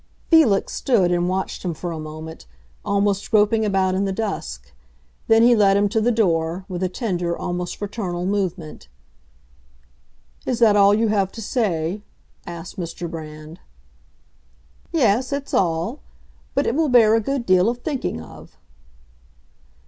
Felix stood and watched him for a moment—almost groping about in the dusk; then he led him to the door, with a tender, almost fraternal movement. "Is that all you have to say?" asked Mr. Brand. "Yes, it's all—but it will bear a good deal of thinking of."